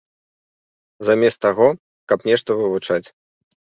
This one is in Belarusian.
Замест таго, каб нешта вывучыць.